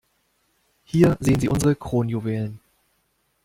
Hier sehen Sie unsere Kronjuwelen.